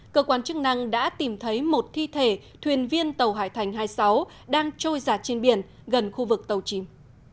cơ quan chức năng đã tìm thấy một thi thể thuyền viên tàu hải thành hai mươi sáu đang trôi giặt trên biển gần khu vực tàu chìm